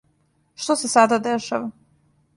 Што се сада дешава?